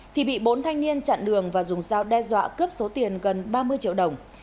thì bị bốn thanh niên chặn đường và dùng dao đe dọa cướp số tiền gần ba mươi triệu đồng